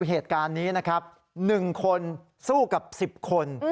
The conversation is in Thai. เหตุการณ์นี้นะครับ๑คนสู้กับ๑๐คน